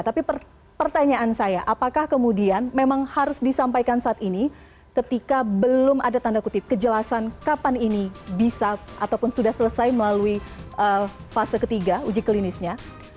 tapi pertanyaan saya apakah kemudian memang harus disampaikan saat ini ketika belum ada tanda kutip kejelasan kapan ini bisa ataupun sudah selesai melalui fase ketiga uji klinisnya